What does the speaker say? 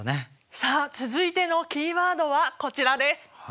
さあ続いてのキーワードはこちらです。